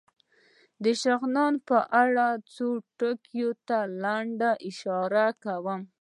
د شغنان په اړه څو ټکو ته لنډه اشاره کوم.